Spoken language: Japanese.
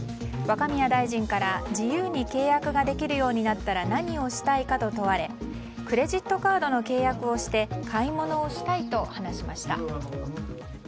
若宮大臣から自由に契約ができるようになったら何をしたいかと問われクレジットカードの契約をして買い物をしたいと話しました。